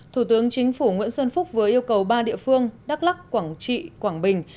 thủ tướng chính phủ nguyễn xuân phúc vừa yêu cầu ba địa phương đắk lắc quảng trị quảng bình